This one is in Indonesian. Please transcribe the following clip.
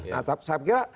nah saya pikir